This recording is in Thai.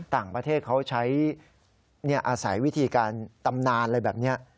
ต่างประเทศเขาใช้อาศัยวิธีการตำนานอะไรแบบนี้